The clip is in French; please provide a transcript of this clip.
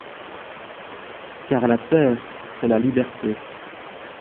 Car la terre, c'est la liberté.